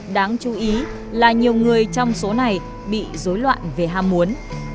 đáng chú ý là nhiều người trong số này bị dối loạn về ham muốn